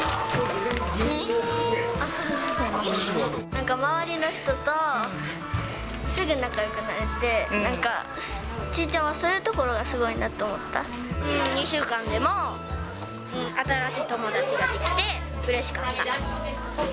なんか周りの人と、すぐ仲よくなれて、なんか、ちーちゃんはそういうところがす２週間でも、新しい友達が出来て、うれしかった。